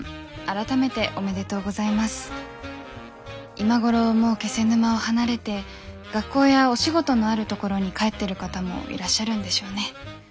今頃もう気仙沼を離れて学校やお仕事のあるところに帰ってる方もいらっしゃるんでしょうね。